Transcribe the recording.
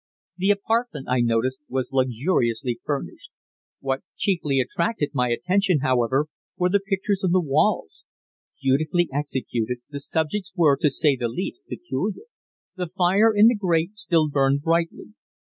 The apartment, I noticed, was luxuriously furnished. What chiefly attracted my attention, however, were the pictures on the walls. Beautifully executed, the subjects were, to say the least, peculiar. The fire in the grate still burned brightly.